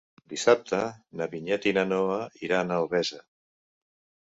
Dissabte na Vinyet i na Noa iran a Albesa.